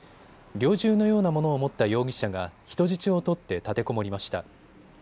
猟銃のようなものを持った容疑者が人質を取って立てこもりました。